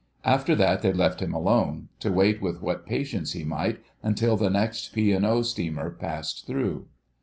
After that they left him alone, to wait with what patience he might until the next P. & O. steamer passed through.